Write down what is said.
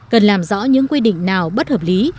cần làm rõ những quy định nào bất hợp lý